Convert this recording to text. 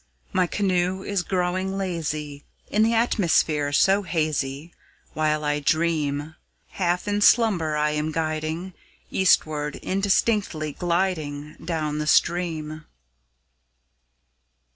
My canoe is growing lazy, In the atmosphere so hazy, While I dream; Half in slumber I am guiding, Eastward indistinctly gliding Down the stream.